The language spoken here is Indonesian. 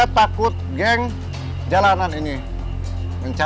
apa orangward dimana